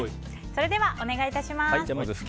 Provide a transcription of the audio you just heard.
それでは、お願いします。